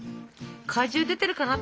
果汁出てるかな？